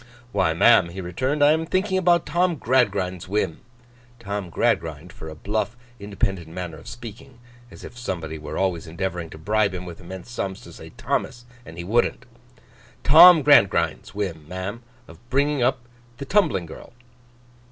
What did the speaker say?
'Why, ma'am,' he returned, 'I am thinking about Tom Gradgrind's whim;' Tom Gradgrind, for a bluff independent manner of speaking—as if somebody were always endeavouring to bribe him with immense sums to say Thomas, and he wouldn't; 'Tom Gradgrind's whim, ma'am, of bringing up the tumbling girl.